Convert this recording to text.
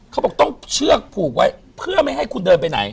เขาบอกต้องเชือกผูกไว้เพื่อไม่ให้คุณเดินไปไหน